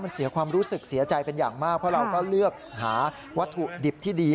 มันเสียความรู้สึกเสียใจเป็นอย่างมากเพราะเราก็เลือกหาวัตถุดิบที่ดี